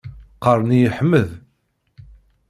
Qqaren-iyi Ḥmed.